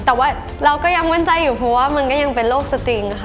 แต่ว่าเราก็ยังมั่นใจอยู่เพราะว่ามันก็ยังเป็นโรคสติงค่ะ